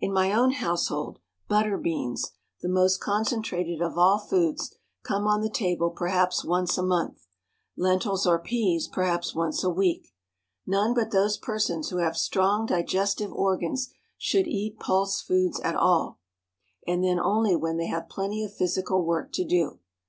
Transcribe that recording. In my own household butter beans, the most concentrated of all foods, come on the table perhaps once a month, lentils or peas perhaps once a week. None but those persons who have strong digestive organs should eat pulse foods at all; and then only when they have plenty of physical work to do.